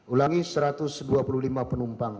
ulangi satu ratus dua puluh lima penumpang